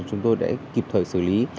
chúng tôi đã kịp thời xử lý